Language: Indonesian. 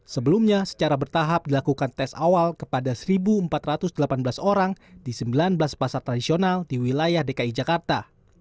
sebelumnya secara bertahap dilakukan tes awal kepada satu empat ratus delapan belas orang di sembilan belas pasar tradisional di wilayah dki jakarta